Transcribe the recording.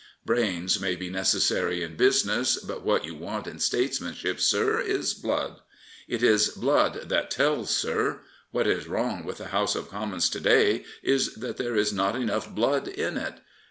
Brains may be necessary in business, but what you want in statesmanship, sir, is blood. It is blood that tells, sir. What is wrong with the House of Commons to day is that there is not enough blood in it.